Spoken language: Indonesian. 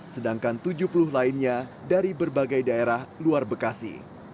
sedangkan tujuh puluh lainnya dari berbagai daerah luar bekasi